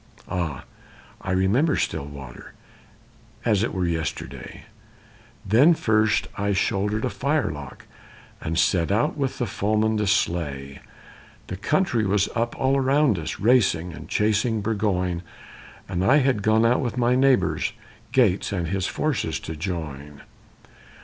Ah, I remember Stillwater, as it were yesterday! Then first I shouldered a firelock, and set out the foemen to slay. The country was up all around us, racing and chasing Burgoyne, And I had gone out with my neighbors, Gates and his forces to join.